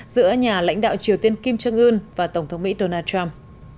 giữa nhà lãnh đạo triều tiên kim jong un và tổng thống mỹ donald trump